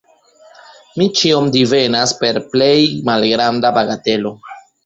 Mi ĉion divenas per plej malgranda bagatelo.